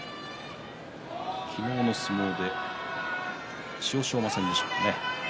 昨日の相撲で千代翔馬戦でしょうかね。